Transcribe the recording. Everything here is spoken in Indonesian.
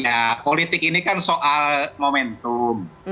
ya politik ini kan soal momentum